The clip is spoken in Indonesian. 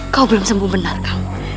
kau belum sembuh benar kamu